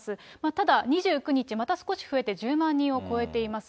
ただ２９日、また少し増えて１０万人を超えています。